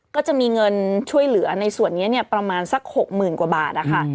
ก็จะมีเงินช่วยเหลือในส่วนนี้ประมาณสัก๖๐๐๐กว่าบาทนะคะ